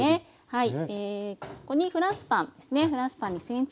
はい。